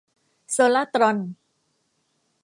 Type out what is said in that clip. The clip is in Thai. โซลาร์ตรอน